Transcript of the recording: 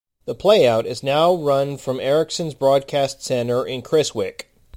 The play-out is now run from Ericsson's broadcast centre in Chiswick.